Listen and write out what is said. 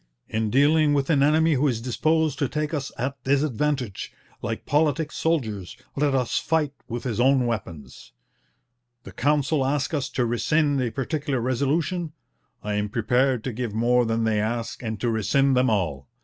In dealing with an enemy who is disposed to take us at disadvantage, like politic soldiers, let us fight with his own weapons. ... The Council ask us to rescind a particular resolution; I am prepared to give more than they ask and to rescind them all.